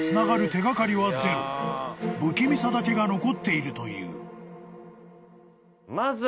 ［不気味さだけが残っているという］